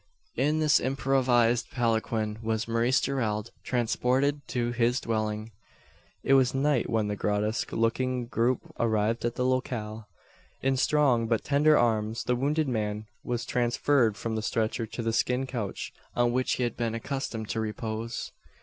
In this improvised palanquin was Maurice Gerald transported to his dwelling. It was night when the grotesque looking group arrived at the locale. In strong but tender arms the wounded man was transferred from the stretcher to the skin couch, on which he had been accustomed to repose.